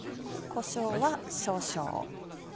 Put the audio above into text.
こしょうは少々。